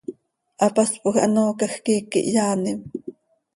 Hapaspoj hanoocaj quih iiqui hyaanim.